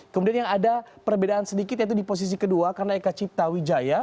kemudian yang ada perbedaan sedikit yaitu di posisi kedua karena eka cipta wijaya